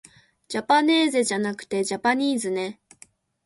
じゃぱねーぜじゃなくてじゃぱにーずね